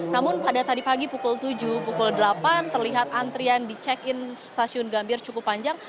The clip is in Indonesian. namun pada tadi pagi pukul tujuh pukul delapan terlihat antrian di check in stasiun gambir cukup panjang